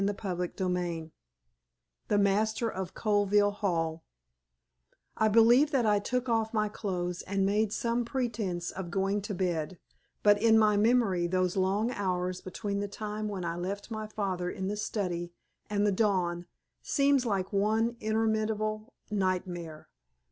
CHAPTER XXX THE MASTER OF COLVILLE HALL I believe that I took off my clothes and made some pretence of going to bed, but in my memory those long hours between the time when I left father in the study and the dawn seems like one interminable nightmare.